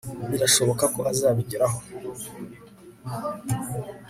Birashoboka ko azabigeraho